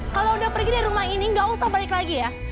kalau udah pergi dari rumah ini nggak usah balik lagi ya